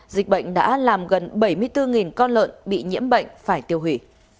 dịch bệnh đã làm gần bảy mươi bốn con lợn bị nhiễm bệnh phải tiêu hủy